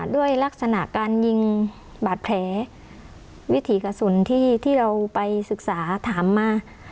ด้วยลักษณะการยิงบาดแผลวิถีกระสุนที่เราไปศึกษาถามมา